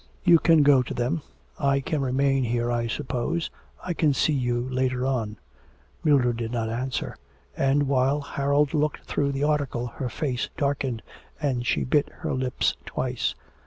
'You can go to them; I can remain here I suppose. I can see you later on.' Mildred did not answer, and, while Harold looked through the article, her face darkened, and she bit her lips twice.